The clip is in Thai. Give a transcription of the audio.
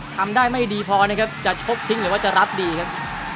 ทำได้ไม่ดีพอนะครับจะชกทิ้งหรือว่าจะรับดีครับ